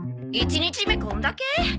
１日目こんだけ？